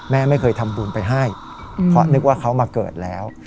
แม่ไม่เคยทำบุญไปให้เพราะนึกว่าเขามาเกิดแล้ว